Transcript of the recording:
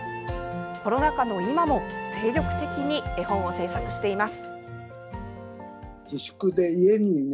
コロナ禍の今も精力的に絵本を制作しています。